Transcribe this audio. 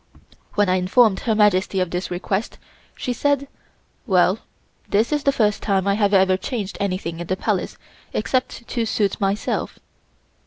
When I informed Her Majesty of this request, she said: "Well, this is the first time I have ever changed anything in the Palace except to suit myself.